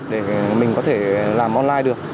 để mình có thể làm online được